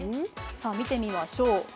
見てみましょう。